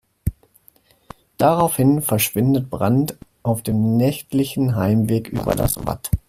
Daraufhin verschwindet Brandt auf dem nächtlichen Heimweg über das Watt.